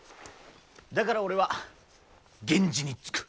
だから俺は源氏につく。